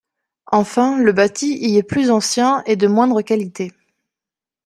Enfin, le bâti y est plus ancien et de moindre qualité.